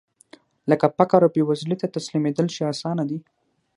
لکه فقر او بېوزلۍ ته تسليمېدل چې اسانه دي.